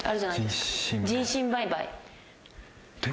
人身売買。